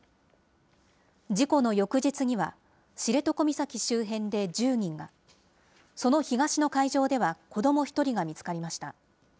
事故の翌日には、知床岬周辺で１０人が、その東の海上では子ども１人が見つかりました。